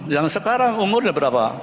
yang sekarang umurnya berapa